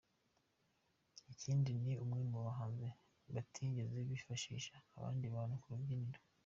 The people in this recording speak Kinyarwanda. Ikindi ndi umwe mu bahanzi batigeze bifashisha abandi bantu ku rubyiniro”.